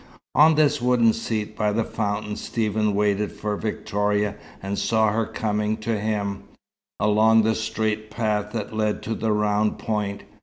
On this wooden seat by the fountain Stephen waited for Victoria, and saw her coming to him, along the straight path that led to the round point.